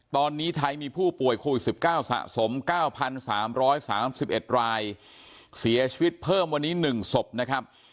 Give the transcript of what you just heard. ตอนนี้ไทยมีผู้ป่วยโควิด๑๙สะสม๙๓๓๑รายเสียชีวิตเพิ่มวันนี้๑ศพนะครับ